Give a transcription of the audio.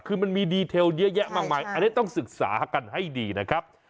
คือมันมีดีเทลเยอะแยะมากมายอันนี้ต้องศึกษากันให้ดีนะครับ